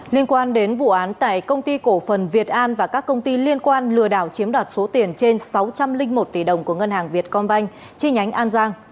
liên quan đến vụ án tại công ty cổ phần việt an và các công ty liên quan lừa đảo chiếm đoạt số tiền trên sáu trăm linh một tỷ đồng của ngân hàng việt công banh chi nhánh an giang